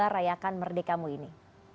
untuk merayakan merdekamu ini